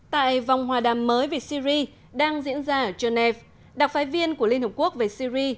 tại vòng hòa đàm mới về syri đang diễn ra ở genève đặc phái viên của liên hợp quốc về syri